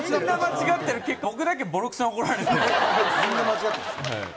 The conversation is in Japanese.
みんな間違ってます。